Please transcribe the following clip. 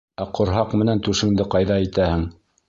— Ә ҡорһаҡ менән түшеңде ҡайҙа итәһең?